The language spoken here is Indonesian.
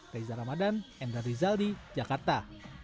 reza ramadan endra rizal di jakarta